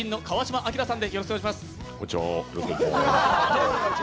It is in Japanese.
こんちは、よろしくお願いします。